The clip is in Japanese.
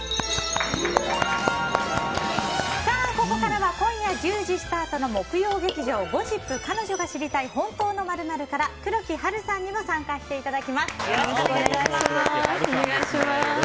ここからは今夜１０時スタートの木曜劇場「ゴシップ＃彼女が知りたい本当の○○」から黒木華さんにも参加していただきます。